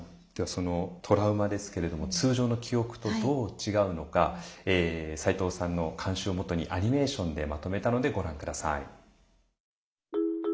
ではそのトラウマですけれども通常の記憶とどう違うのか齋藤さんの監修をもとにアニメーションでまとめたのでご覧下さい。